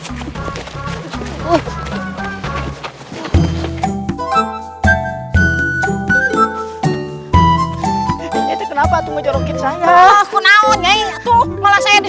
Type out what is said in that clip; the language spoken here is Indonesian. akhirnya aku mendapatkan kitab ini